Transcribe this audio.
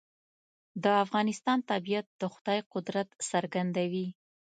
د افغانستان طبیعت د خدای قدرت څرګندوي.